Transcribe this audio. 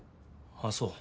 ああそう。